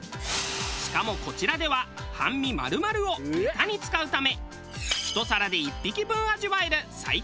しかもこちらでは半身丸々をネタに使うため１皿で１匹分味わえる最高のひと皿。